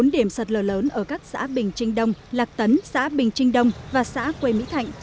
bốn điểm sạt lở lớn ở các xã bình trinh đông lạc tấn xã bình trinh đông và xã quê mỹ thạnh